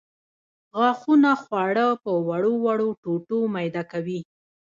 غاښونه خواړه په وړو وړو ټوټو میده کوي.